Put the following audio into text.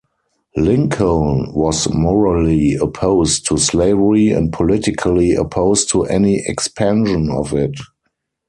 Lincoln was morally opposed to slavery and politically opposed to any expansion of it.